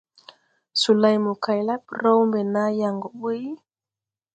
Solay mo kay la ɓrɛw mbɛ naa yaŋ gɔ ɓuy.